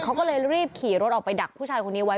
เขาก็เลยรีบขี่รถออกไปดักผู้ชายคนนี้ไว้